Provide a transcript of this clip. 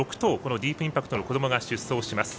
ディープインパクトの子どもが出走します。